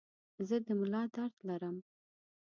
زه د ملا درد لرم.